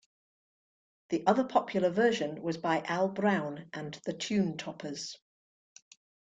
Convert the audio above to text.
The other popular version was by Al Brown and The Tunetoppers.